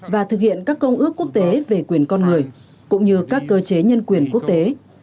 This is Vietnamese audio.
và thực hiện các công ước quốc tế về quyền con người cũng như các cơ chế nhân quyền quốc tế